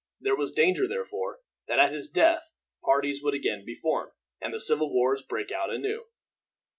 There was danger, therefore, that at his death parties would again be formed, and the civil wars break out anew.